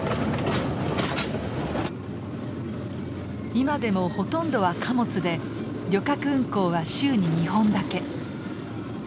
今でもほとんどは貨物で旅客運行は週に２本だけ。